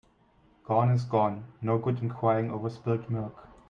Gone is gone. No good in crying over spilt milk.